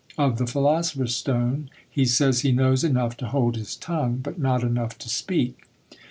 Of the philosopher's stone, he says he knows enough to hold his tongue, but not enough to speak.